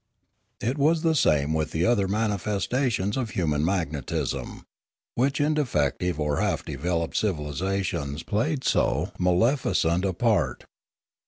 It was the same with the other manifestations of human magnetism, which in defective or half developed civilisations played so maleficent a part.